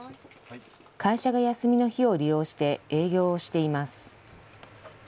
会社が休みの日を利用して営業をしています。